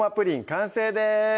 完成です